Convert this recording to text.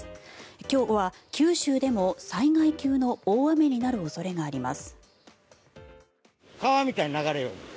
今日は九州でも災害級の大雨になる恐れがあります。